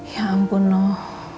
ya ampun noh